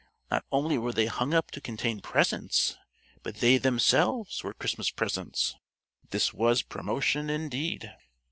Not only were they hung up to contain presents, but they themselves were Christmas gifts! This was promotion indeed.